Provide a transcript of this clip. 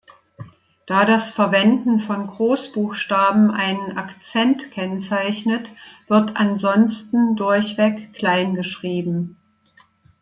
Da das Verwenden von Großbuchstaben einen Akzent kennzeichnet, wird ansonsten durchweg klein geschrieben.